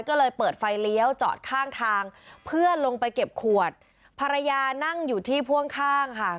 ก็เลยเปิดไฟเลี้ยวจอดข้างทางเพื่อลงไปเก็บขวดภรรยานั่งอยู่ที่พ่วงข้างค่ะ